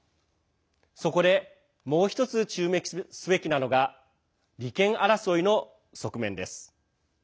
そこで、もう１つ注目すべきなのが利権争いの側面です。